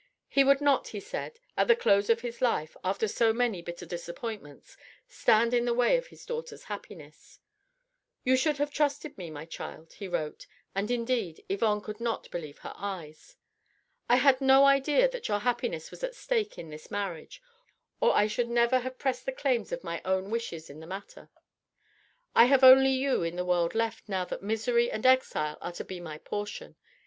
He would not, he said, at the close of his life, after so many bitter disappointments, stand in the way of his daughter's happiness: "You should have trusted me, my child," he wrote: and indeed Yvonne could not believe her eyes. "I had no idea that your happiness was at stake in this marriage, or I should never have pressed the claims of my own wishes in the matter. I have only you in the world left, now that misery and exile are to be my portion!